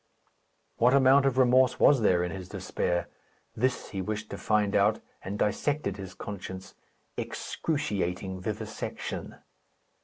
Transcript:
What amount of remorse was there in his despair? This he wished to find out, and dissected his conscience. Excruciating vivisection!